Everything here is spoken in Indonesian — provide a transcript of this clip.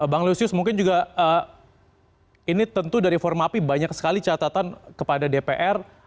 bang lusius mungkin juga ini tentu dari formapi banyak sekali catatan kepada dpr